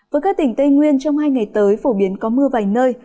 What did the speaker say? với các tỉnh tây nguyên trong hai ngày tới phổ biến có mưa vài nơi